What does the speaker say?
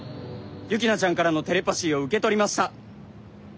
ユキナちゃんからのテレパシーを受け取りました！